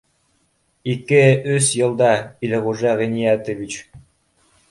Ике-өс йылда, Илғужа Ғиниәтович